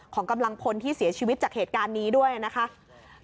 กำลังพลที่เสียชีวิตจากเหตุการณ์นี้ด้วยนะคะ